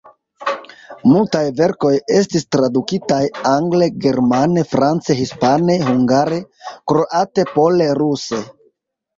Multaj verkoj estis tradukitaj angle, germane, france, hispane, hungare, kroate, pole, ruse.